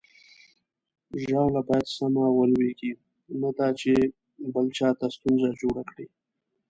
ژاوله باید سمه ولویږي، نه دا چې بل چاته ستونزه جوړه کړي.